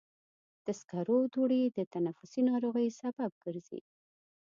د سکرو دوړې د تنفسي ناروغیو سبب ګرځي.